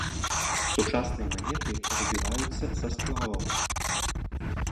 Сучасныя манеты выбіваюцца са сплаваў.